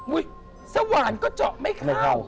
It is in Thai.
อุ๊ยสว่านก็เจาะไม่เข้า